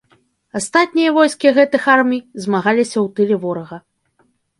Астатнія войскі гэтых армій змагаліся ў тыле ворага.